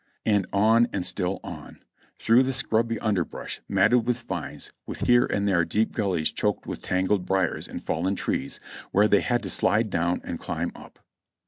On and still on ; through the scrubby underbrush, matted with vines, with here and there deep gullies choked with tangled briers and fallen trees, where they had to slide down and climb up.